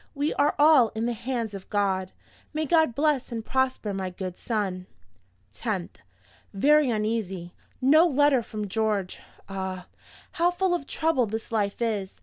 We are all in the hands of God. May God bless and prosper my good son! "10th. Very uneasy. No letter from George. Ah, how full of trouble this life is!